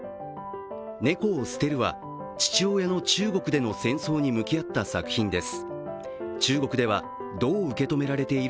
「猫を棄てる」は父親の中国での戦争に向き合った作品です。